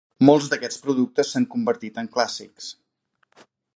Molts d'aquests productes s'han convertit en clàssics.